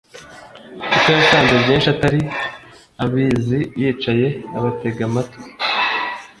kuko yasanze ibyinshi atari abizi yicaye abatega amatwi